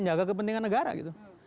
menjaga kepentingan negara gitu